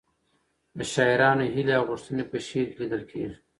د شاعرانو هیلې او غوښتنې په شعر کې لیدل کېږي.